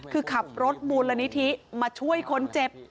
คือขับรถมูลนิธิมาช่วยคนเจ็บ